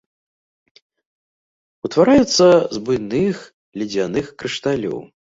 Утвараюцца з буйных ледзяных крышталёў.